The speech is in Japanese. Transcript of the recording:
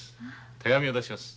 手紙を出します。